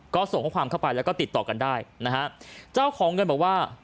ก็ส่งข้อความเข้าไปแล้วก็ติดต่อกันได้นะฮะเจ้าของเงินบอกว่า